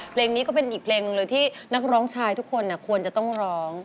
เพลงนี้ก็เป็นอีกเพลงหนึ่งเลยที่นักร้องชายทุกคนควรจะต้องร้อง